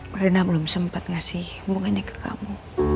tadi rena belum sempat ngasih hubungannya ke kamu